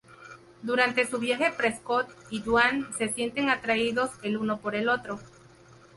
Durante su viaje, Prescott y Dwan se sienten atraídos el uno por el otro.